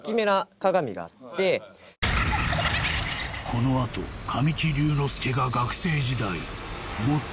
このあと神木隆之介がうわーっ！